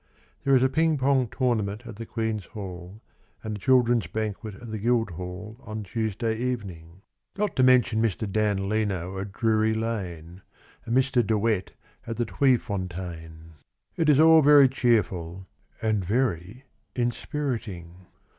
There is a ping pong tournament at the Queen's Hall And a children's banquet At the Guildhall on Tuesday evening; Not to mention Mr. Dan Leno at Drury Lane And Mr. De Wet at the Tweefontein. It is all very cheerful And very inspiriting.